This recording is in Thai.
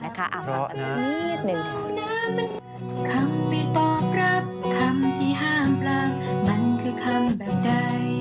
รถเวลาเมาน้ำ